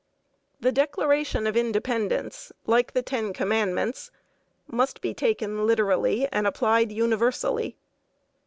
The Declaration of Independence, like the Ten Commandments, must be taken literally and applied universally.